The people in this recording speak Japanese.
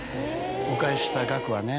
お返しした額はね。